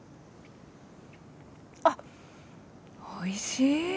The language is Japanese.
あっおいしい。